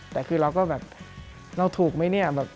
แต่คือเราก็แบบเราถูกไหมเนี่ย